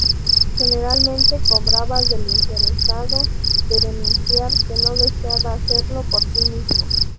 Generalmente cobraba del interesado en denunciar, que no deseaba hacerlo por sí mismo.